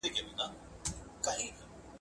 عزارییله پښه نیولی قدم اخله